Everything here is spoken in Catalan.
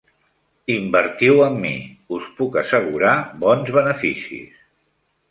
Invertiu amb mi; us puc assegurar bons beneficis.